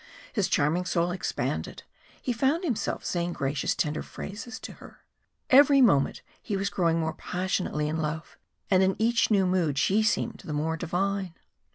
His charming soul expanded, he found himself saying gracious tender phrases to her. Every moment he was growing more passionately in love, and in each new mood she seemed the more divine.